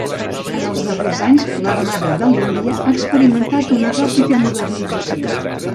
En els darrers anys, l'Armada de l'Índia ha experimentat una ràpida modernització.